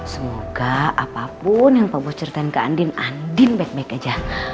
semoga apapun yang pak bos ceritain ke andin baik baik aja